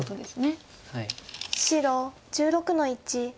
白１６の一。